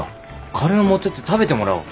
カレーを持ってって食べてもらおう。